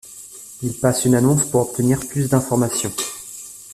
Il passe une annonce pour obtenir plus d'informations.